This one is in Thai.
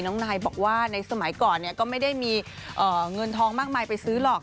นายบอกว่าในสมัยก่อนก็ไม่ได้มีเงินทองมากมายไปซื้อหรอก